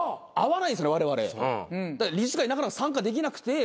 理事会なかなか参加できなくてわれわれも。